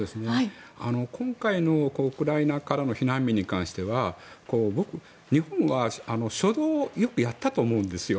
今回のウクライナからの避難民に関しては日本は初動よくやったと思うんですよ。